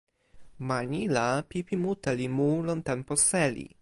ma ni la pipi mute li mu lon tenpo seli.